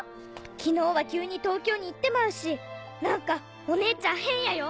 昨日は急に東京に行ってまうし何かお姉ちゃん変やよ！